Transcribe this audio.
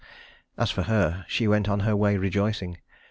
As for her, she went on her way rejoicing.